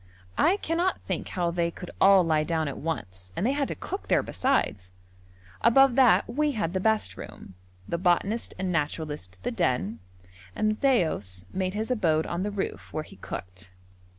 I cannot think how they could all lie down at once, and they had to cook there besides. Above that, we had the best room, the botanist and naturalist the den, and Matthaios made his abode on the roof, where he cooked.